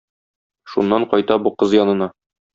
Шуннан кайта бу кыз янына.